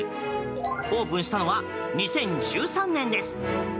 オープンしたのは２０１３年です。